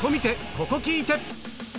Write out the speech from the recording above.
ここ聴いて！